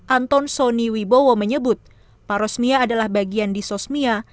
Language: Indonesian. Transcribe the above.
anton soni wibowo menyebut parosmia adalah bagian disosmia